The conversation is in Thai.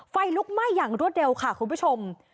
ไฟลุกไหม้อย่างรวดเร็วค่ะคุณผู้ชม